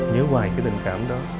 nhớ hoài cái tình cảm đó